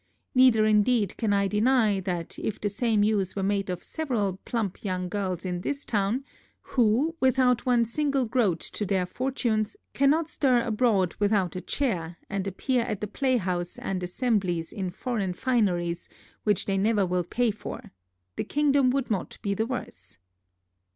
Neither indeed can I deny, that if the same use were made of several plump young girls in this town, who without one single groat to their fortunes, cannot stir abroad without a chair, and appear at a playhouse and assemblies in foreign fineries which they never will pay for, the kingdom would not be the worse.